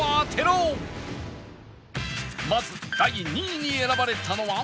まず第２位に選ばれたのは